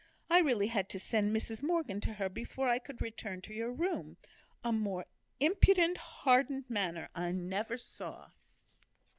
I really had to send Mrs Morgan to her before I could return to your room. A more impudent, hardened manner, I never saw."